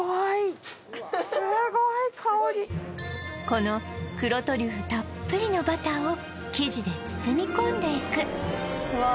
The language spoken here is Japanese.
この黒トリュフたっぷりのバターを生地で包み込んでいくうわ